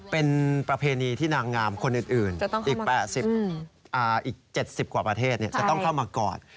เป็นประเพณีที่นางงามคนอื่นอีก๗๐กว่าประเทศจะต้องเข้ามากอด